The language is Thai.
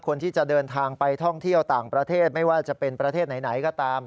คนที่จะเดินทางไปท่องเที่ยวต่างประเทศไม่ว่าจะเป็นประเทศไหนก็ตาม